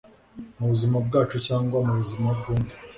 mubuzima bwacu cyangwa mubuzima bw'undi.